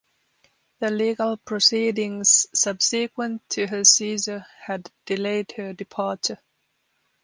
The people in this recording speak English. The legal proceedings subsequent to her seizure had delayed her departure.